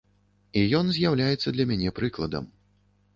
І ён з'яўляецца для мяне прыкладам.